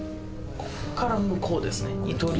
こっから向こうですね。に通り